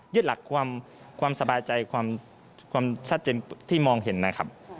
หลักความสบายใจความชัดเจนที่มองเห็นนะครับ